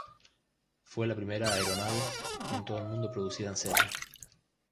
Fue la primera aeronave en todo el mundo producida en serie.